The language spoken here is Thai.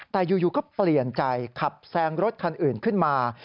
แต่อยู่ก็เปลี่ยนใจขับแซงรถคันอื่นขึ้นมา